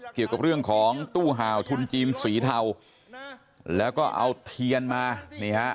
เกี่ยวกับเรื่องของตู้ห่าวทุนจีนสีเทาแล้วก็เอาเทียนมานี่ฮะ